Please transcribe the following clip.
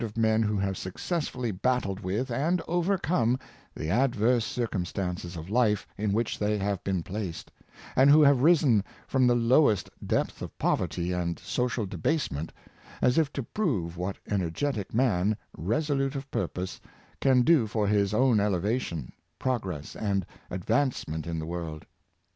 of men who have successfully battled with and over come the adverse circumstances of life in which they have been placed; and who have risen from the lowest depths of poverty and social debasement, as if to prove what energetic man, resolute of purpose, can do for his own elevation, progress, and advancement in the world.